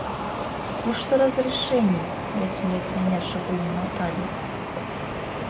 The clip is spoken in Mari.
— Кушто разрешений? — вес милиционерже вуйым нӧлтале.